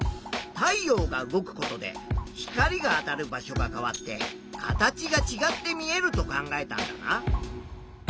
太陽が動くことで光があたる場所が変わって形がちがって見えると考えたんだな。